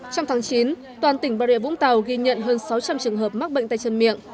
trong tháng chín toàn tỉnh bà rịa vũng tàu ghi nhận hơn sáu trăm linh trường hợp mắc bệnh tay chân miệng